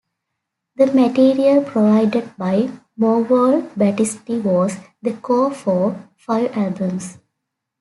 The material provided by Mogol-Battisti was the core for five albums.